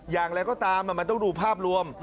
อย่างไรก็ตามมันต้องดูภาพรวม